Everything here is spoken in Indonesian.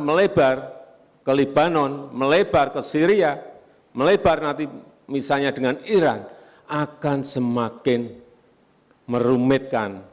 melebar ke libanon melebar ke syria melebar nanti misalnya dengan iran akan semakin merumitkan